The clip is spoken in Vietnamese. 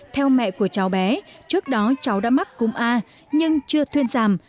theo mẹ của cháu bé trước đó cháu đã mắc cúm a nhưng chưa thuyên giảm